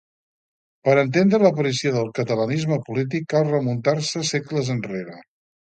Per entendre l'aparició del catalanisme polític cal remuntar-se segles enrere.